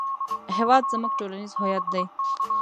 هېواد زموږ ټولنیز هویت دی